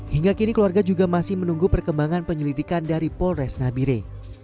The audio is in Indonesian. hingga kini keluarga juga masih menunggu perkembangan penyelidikan dari polres nabire